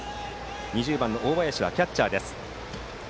２０番の大林はキャッチャーです。